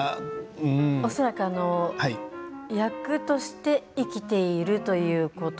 恐らく役として生きているということ。